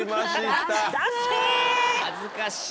恥ずかしい。